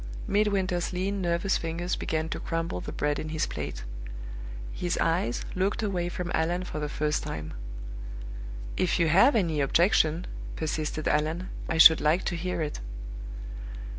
Midwinter's lean, nervous fingers began to crumble the bread in his plate. His eyes looked away from Allan for the first time. "If you have any objection," persisted Allan, "I should like to hear it."